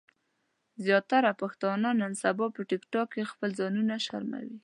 زياتره پښتانۀ نن سبا په ټک ټاک کې خپل ځانونه شرموي